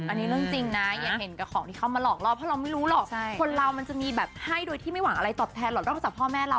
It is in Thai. อันนี้แบบจริงเลยนะอย่าเห็นแก่ของที่เค้ามาหลอกล่อพี่เราไม่ละระคนคือมันจะให้ภัณฑ์ก่อนสำหรับพ่อแม่เรา